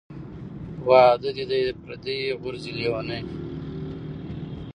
ـ واده دى د پرديي کې غورځي لېوني .